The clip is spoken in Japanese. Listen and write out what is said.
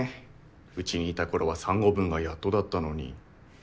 うちにいた頃は３語文がやっとだったのに。